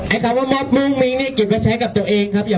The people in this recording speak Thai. ไอ้คำว่ามอบมุ้งมิ้งเนี่ยกลิ่นมาใช้กับตัวเองครับ